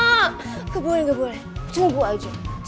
gak boleh gak boleh cumpu aja